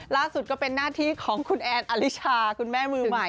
ล่าสุดก็เป็นหน้าที่ของคุณแอนอลิชาคุณแม่มือใหม่